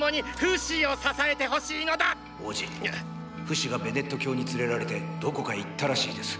フシがベネット教に連れられてどこかへ行ったらしいです！